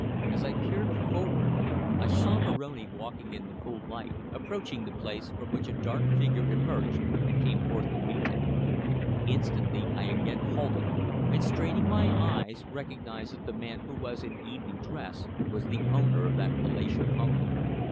As I peered forward I saw Moroni walking in the full light, approaching the place, from which a dark figure emerged and came forth to meet him. Instantly I again halted, and straining my eyes recognized that the man who was in evening dress was the owner of that palatial home.